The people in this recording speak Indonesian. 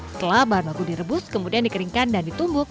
setelah bahan baku direbus kemudian dikeringkan dan ditumbuk